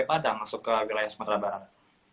padang masuk ke wilayah sumatera barat